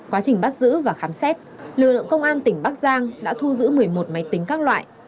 quá trình bắt giữ và khám xét lực lượng công an tỉnh bắc giang đã thu giữ một mươi một máy tính các loại